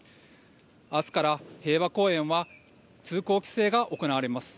明日から平和公園は通行規制が行われます。